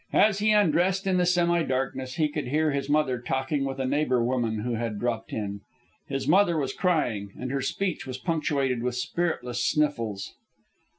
As he undressed in the semi darkness he could hear his mother talking with a neighbour woman who had dropped in. His mother was crying, and her speech was punctuated with spiritless sniffles.